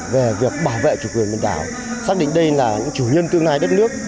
về việc bảo vệ chủ quyền biển đảo xác định đây là những chủ nhân tương lai đất nước